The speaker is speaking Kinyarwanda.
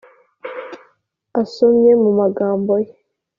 asomye mu magambo ye;